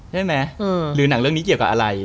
หรือหนังเรื่องนี้เกี่ยวกับอะไร